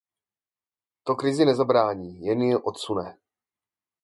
To krizi nezabrání, jen ji odsune.